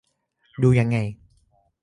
ดูยังไง